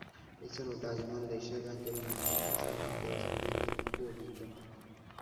এছাড়াও Dutch Bangla, Asia bank এবং আল-আরাফাহ ইসলামি ব্যাংকের এজেন্ট ব্যাংকিং ও বিদ্যমান।